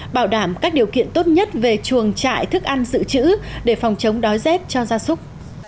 bảo đảm các điều kiện tốt nhất về chuồng trại thức ăn dự trữ để phòng chống đói rét cho gia súc